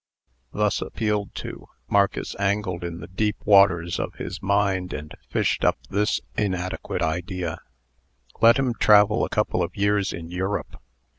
Thus appealed to, Marcus angled in the deep waters of his mind, and fished up this inadequate idea: "Let him travel a couple of years in Europe."